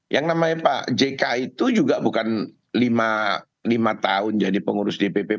yang namanya pak jk itu juga bukan lima tahun jadi pengurus dpp